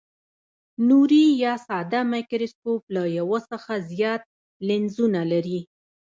نوري یا ساده مایکروسکوپ له یو څخه زیات لینزونه لري.